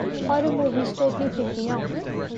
Horror movies totally freak me out.